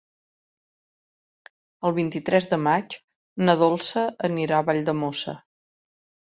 El vint-i-tres de maig na Dolça anirà a Valldemossa.